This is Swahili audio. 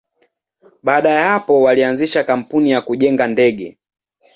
Baada ya hapo, walianzisha kampuni ya kujenga ndege.